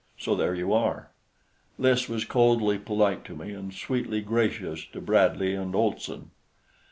So there you are. Lys was coldly polite to me and sweetly gracious to Bradley and Olson.